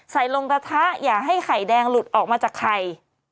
ใส่ลงกระทะอย่าให้ไข่แดงหลุดออกมาจากไข่